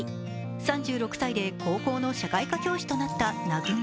３６歳で高校の社会科教師となった南雲。